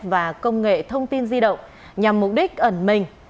và công nghệ thông tin di động nhằm mục đích ẩn mình